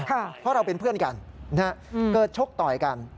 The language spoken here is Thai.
เพราะเราเป็นเพื่อนกันเกิดชกต่อยกัน